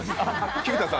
菊田さん